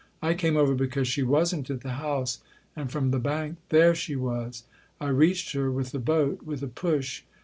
"I came over because she wasn't at the house, and from the bank there she was. I reached her with the boat, with a push.